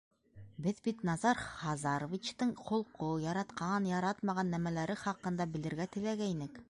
Беҙ бит Назар Хазаровичтың холҡо, яратҡан, яратмаған нәмәләре хаҡында белергә теләгәйнек.